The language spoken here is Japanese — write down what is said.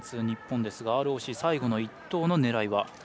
日本ですがＲＯＣ、最後の１投の狙いは？